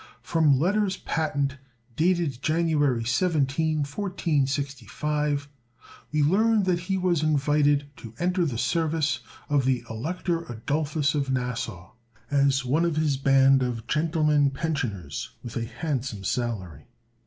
From letters patent, dated January 17, 1465, we learn that he was invited to enter the service of the Elector Adolphus of Nassau, as one of his band of gentlemen pensioners, with a handsome salary.